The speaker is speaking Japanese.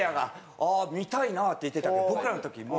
「ああ見たいな」って言ってたけど僕らの時もう真空状態。